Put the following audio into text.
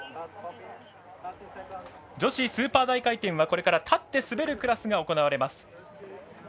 女子スーパー大回転はこれから立って滑るクラスが行われます。